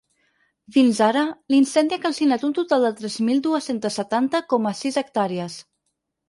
Fins ara, l’incendi ha calcinat un total de tres mil dues-centes setanta coma sis hectàrees.